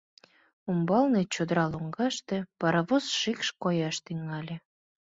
Умбалне, чодыра лоҥгаште, паровоз шикш кояш тӱҥале.